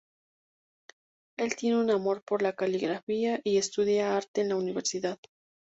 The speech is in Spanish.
Él tiene un amor por la caligrafía y estudia arte en la Universidad.